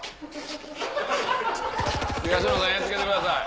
東野さんやっつけてください。